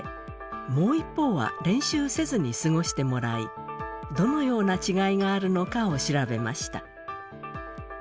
もう一方は練習せずに過ごしてもらいどのような違いがあるのかを調べました。